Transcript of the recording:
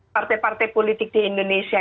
partai partai politik di indonesia